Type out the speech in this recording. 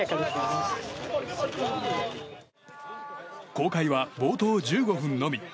公開は冒頭１５分のみ。